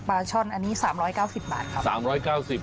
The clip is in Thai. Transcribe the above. ปลาช่อน๓๙๐บาทครับ